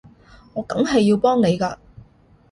我梗係要幫你㗎